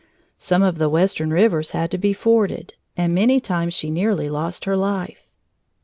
Some of the western rivers had to be forded, and many times she nearly lost her life.